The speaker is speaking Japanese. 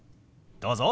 どうぞ。